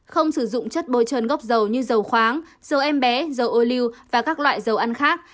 không sử dụng chất bôi trơn gốc dầu như dầu khoáng dầu em bé dầu ô lưu và các loại dầu ăn khác